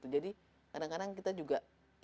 kadang kadang kita juga